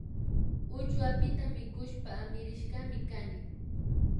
Uchuapita mikushpa amirishkami kani